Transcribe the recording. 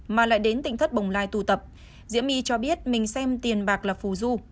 mà lại đến tỉnh thất bồng lai tụ tập diễm my cho biết mình xem tiền bạc là phù du